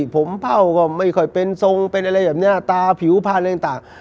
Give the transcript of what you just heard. ผมเผ่าก็ไม่ค่อยเป็นทรงเป็นอะไรแบบนี้ตาผิวพันธุ์อะไรต่าง